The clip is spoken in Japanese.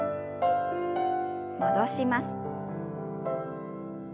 戻します。